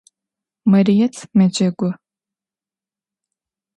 Марыет мэджэгу.